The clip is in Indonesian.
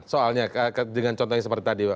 soalnya dengan contoh yang seperti tadi pak